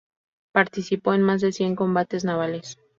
Participó en más de cien combates navales.